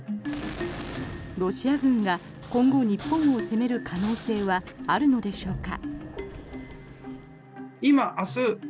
ロシア軍が今後日本を攻める可能性はあるのでしょうか。